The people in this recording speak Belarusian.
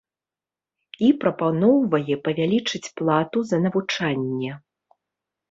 І прапаноўвае павялічыць плату за навучанне.